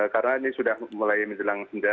karena ini sudah mulai menjelang senda